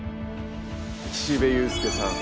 岸辺勇介さん。